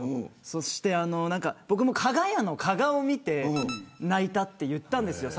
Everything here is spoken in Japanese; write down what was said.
そして、僕もかが屋の加賀を見て泣いたと言ったんですよ